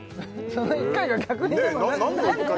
その１回が逆にでも何の１回？